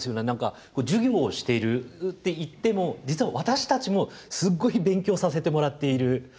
何か授業をしているっていっても実は私たちもすっごい勉強させてもらっている。